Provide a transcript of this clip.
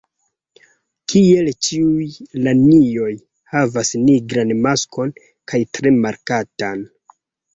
Kiel ĉiuj lanioj, havas nigran maskon kaj tre markatan.